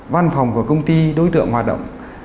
văn phòng của công ty đối tượng hoạt động